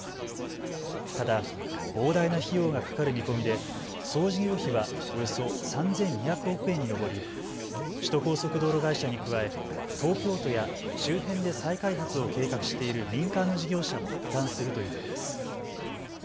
ただ膨大な費用がかかる見込みで総事業費はおよそ３２００億円に上り、首都高速道路会社に加え東京都や周辺で再開発を計画している民間の事業者も負担するということです。